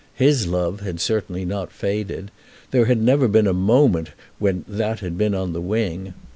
His love had certainly not faded. There had never been a moment when that had been on the wing.